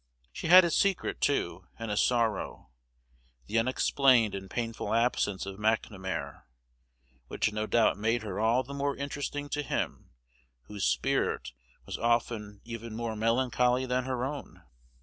She had a secret, too, and a sorrow, the unexplained and painful absence of McNamar, which no doubt made her all the more interesting to him whose spirit was often even more melancholy than her own.